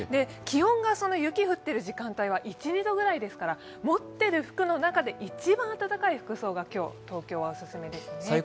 気温が雪が降っている時間帯１２度くらいですから持ってる服の中で一番暖かい服装が今日はオススメですね。